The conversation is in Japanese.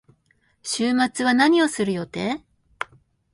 週末は何をする予定？